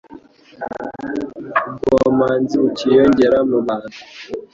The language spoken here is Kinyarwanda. ubwomanzi bukiyongera mu bantu